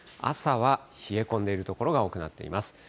朝は冷え込んでいる所が多くなっています。